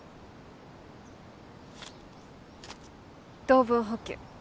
糖分補給